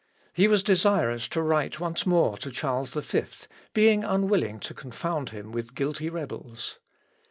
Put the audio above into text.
He was desirous to write once more to Charles V, being unwilling to confound him with guilty rebels.